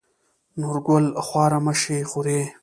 نورګل: خواره مه شې خورې.